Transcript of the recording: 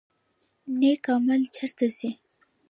نیک عمل چیرته ځي؟